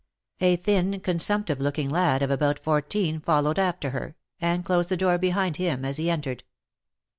A thin consumptive looking lad of about fourteen, followed after her, and closed the door behind him as he entered.